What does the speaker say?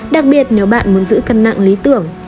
đặc biệt nếu bạn muốn giữ cân nặng lý tưởng